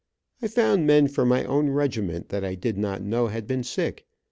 I found men from my own regiment, that I did not know had been sick.